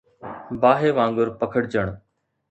باهه وانگر پکڙجڻ